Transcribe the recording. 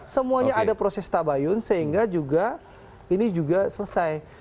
semuanya ada proses tabayun sehingga juga ini juga selesai